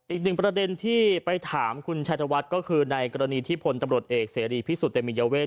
อีกหนึ่งประเด็นที่ไปถามคุณชัยธวัฒน์ก็คือในกรณีที่พลตำรวจเอกเสรีพิสุทธิเตมียเวท